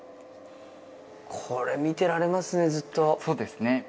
これ、見てられますね、そうですね。